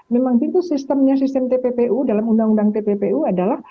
memang itu sistemnya sistem tppu dalam undang undang tppu adalah